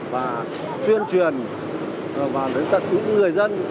và tuyên truyền và lấy tận những người dân